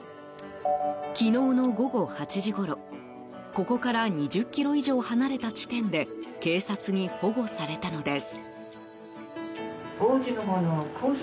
昨日の午後８時ごろここから２０ｋｍ以上離れた地点で警察に保護されたのです。